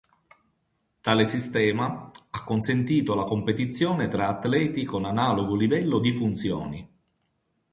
Tale sistema ha consentito la competizione tra atleti con analogo livello di funzioni.